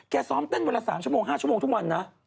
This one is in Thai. แกซ้อมเต้นเวลา๓๕ชั่วโมงทุกวันนะ